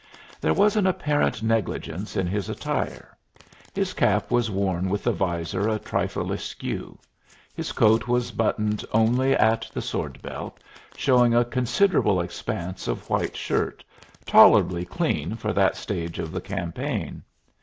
There was an apparent negligence in his attire. His cap was worn with the visor a trifle askew; his coat was buttoned only at the sword belt, showing a considerable expanse of white shirt, tolerably clean for that stage of the campaign.